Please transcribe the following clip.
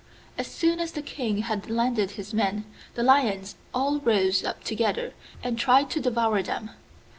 As soon as the King had landed his men, the lions all rose up together and tried to devour them.